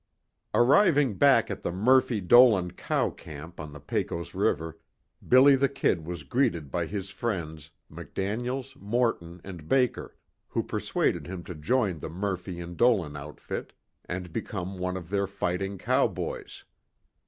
Arriving back at the Murphy Dolan cow camp on the Pecos river, "Billy the Kid" was greeted by his friends, McDaniels, Morton and Baker, who persuaded him to join the Murphy and Dolan outfit, and become one of their fighting cowboys.